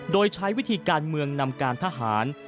โดยใช้วิธีการเมืองนำการทหาร